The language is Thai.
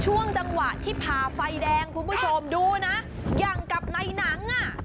ช่วงจังหวะที่ผ่าไฟแดงคุณผู้ชมดูนะอย่างกับในหนังอ่ะ